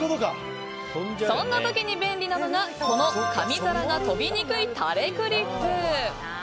そんな時に便利なのが、この紙皿が飛びにくいタレクリップ。